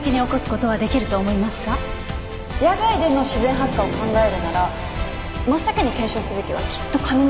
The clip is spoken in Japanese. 野外での自然発火を考えるなら真っ先に検証すべきはきっと雷ね。